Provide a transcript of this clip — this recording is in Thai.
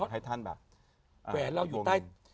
แหวนเราอยู่ใต้